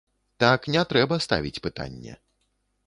Так не трэба ставіць пытанне.